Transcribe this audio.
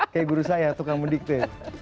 kayak guru saya tukang mendikte